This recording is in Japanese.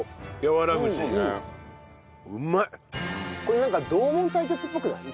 これなんか同門対決っぽくない？